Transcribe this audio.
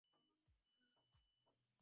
হেই, একটা জিনিস একটু ধরতে পারবে?